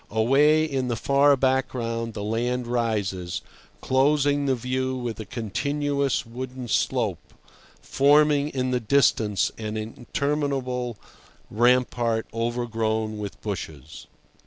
Away in the far background the land rises, closing the view with a continuous wooded slope, forming in the distance an interminable rampart overgrown with bushes.